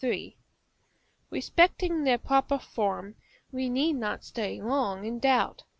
]§ III. Respecting their proper form we need not stay long in doubt.